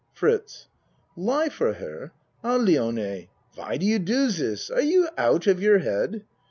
FRITZ Lie for her? Ah, Lione, why do you do dis ? Are you out of your head